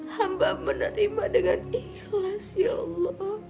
hamba menerima dengan ikhlas ya allah